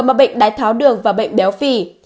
gần mắc bệnh đái tháo đường và bệnh béo phi